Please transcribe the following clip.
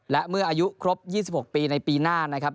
และเมื่ออายุครบ๒๖ปีในปีหน้านะครับ